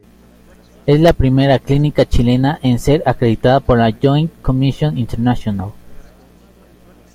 Es la primera clínica chilena en ser acreditada por la "Joint Commission International".